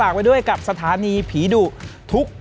เจอกับสถานีผีดุทุก